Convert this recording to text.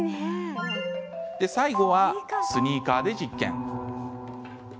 最後はスニーカーで実験。